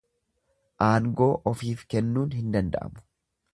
Aangoo ofiif kennuun hin danda'amu.